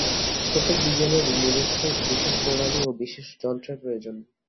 প্রত্যেক বিজ্ঞানেরই নিজস্ব বিশেষ প্রণালী ও বিশেষ যন্ত্রের প্রয়োজন।